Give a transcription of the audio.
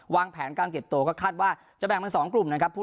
วางแผนการเก็บโตก็คาดว่าจะแบ่งเป็น๒กลุ่ม